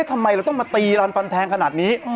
ทำไมเราต้องมาตีรันฟันแทงขนาดนี้